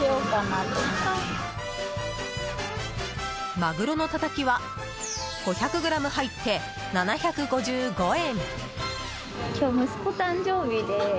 マグロのタタキは５００ｇ入って７５５円。